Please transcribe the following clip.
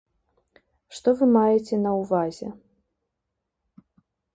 Што вы маеце на ўвазе?